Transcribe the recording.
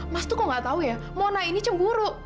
mas tuh kok gak tau ya mona ini cemburu